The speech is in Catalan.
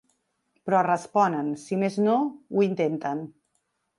Però responen, si més no ho intenten.